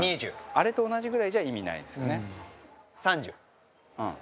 あれと同じぐらいじゃ意味ないですよね。